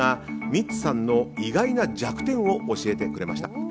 ミッツさんの意外な弱点を教えてくれたのは。